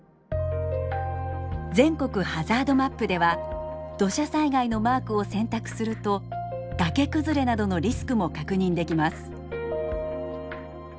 全国ハザードマップでは土砂災害のマークを選択すると崖崩れなどのリスクも確認できます。